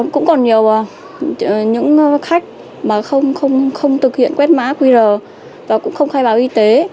cũng còn nhiều những khách mà không thực hiện quét mã qr và cũng không khai báo y tế